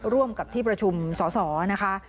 ร่วมกับที่ประชุมสสนะคะ